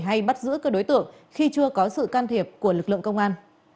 hay bắt giữ các đối tượng khi chưa có sự can thiệp của lực lượng công an